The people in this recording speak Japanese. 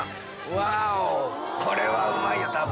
ワオこれはうまいよたぶん！